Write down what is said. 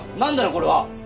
これは。